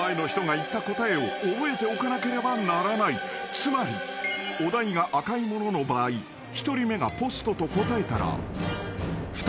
［つまりお題が赤いものの場合１人目がポストと答えたら２人目はポスト。